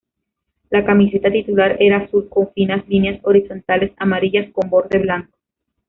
La camiseta titular era azul con finas líneas horizontales amarillas con borde blanco.